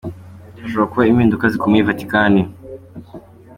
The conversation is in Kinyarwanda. Hashobora kuba impinduka zikomeye I Vatikani.